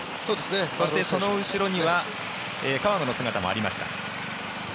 そして、その後ろには川野の姿もありました。